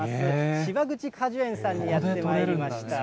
芝口果樹園さんにやってまいりました。